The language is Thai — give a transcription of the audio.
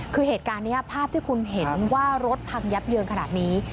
คือเหตุการณ์นี้ภาพที่คุณเห็นว่ารถพังยับเยินขนาดนี้